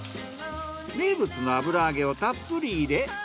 名物の油揚げをたっぷり入れ